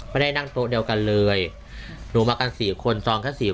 ไม่ได้นั่งโต๊ะเดียวกันเลยรุมมากันสี่คนจ่องสี